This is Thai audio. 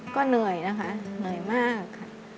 ก็เหนื่อยนะคะเหนื่อยมากค่ะ